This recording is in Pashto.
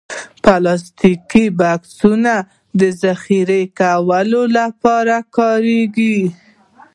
پلاستيکي بکسونه د ذخیره کولو لپاره کارېږي.